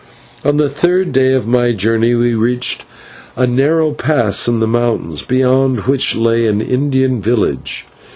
On the third day of my journey we reached a narrow pass in the mountains, beyond which lay an Indian village.